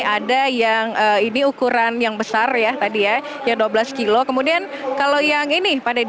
ada yang ini ukuran yang besar ya tadi ya yang dua belas kilo kemudian kalau yang ini pak deddy